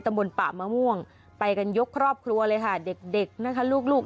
ตะมนต์ป่ามะม่วงไปกันยกครอบครัวเลยค่ะเด็กนะคะลูก